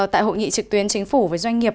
tại hội nghị trực tuyến chính phủ với doanh nghiệp